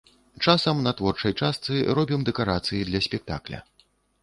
Часам на творчай частцы робім дэкарацыі для спектакля.